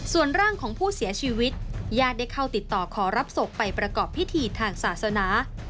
ส่วนร่างของผู้เสียชีวิตญาติได้เข้าติดต่อขอรับศพไปประกอบพิธีทางศาสนา